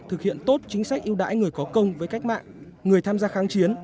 thực hiện tốt chính sách yêu đãi người có công với cách mạng người tham gia kháng chiến